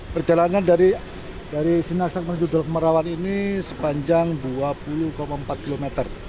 perjalanan dari sinaksak menuju dolok merawan ini sepanjang dua puluh empat km